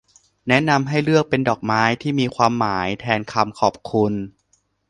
แนะนำให้เลือกเป็นดอกไม้ที่มีความหมายแทนคำขอบคุณ